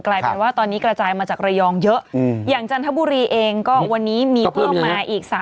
กลายเป็นว่าตอนนี้กระจายมาจากระยองเยอะอย่างจันทบุรีเองก็วันนี้มีเพิ่มมาอีก